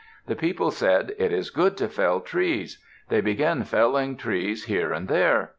The people said, "It is good to fell trees." They began felling trees here and there.